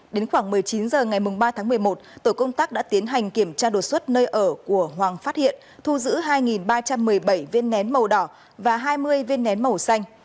đến khoảng một mươi chín h ngày ba tháng một mươi một tổ công tác đã tiến hành kiểm tra đột xuất nơi ở của hoàng phát hiện thu giữ hai ba trăm một mươi bảy viên nén màu đỏ và hai mươi viên nén màu xanh